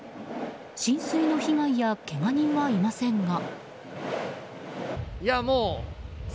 浸水の被害やけが人はいませんが。